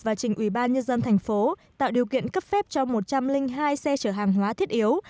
và trình ủy ban nhân dân thành phố tạo điều kiện cấp phép cho một trăm linh hai xe chở hàng hóa thiết yếu